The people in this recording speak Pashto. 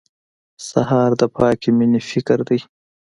سهار د پاکې مېنې فکر دی.